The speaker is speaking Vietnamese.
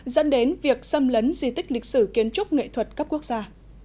dẫn đến việc xâm lấn di tích lịch sử kiến trúc nghệ thuật cấp quốc gia